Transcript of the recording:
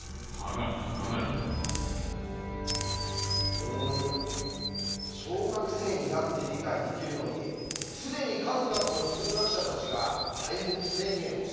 うん小学生にだって理解できるのに既に数々の数学者たちが敗北宣言をしているなんて。